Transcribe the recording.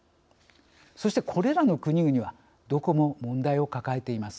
そして、これらの国々はどこも問題を抱えています。